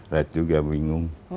rakyat juga bingung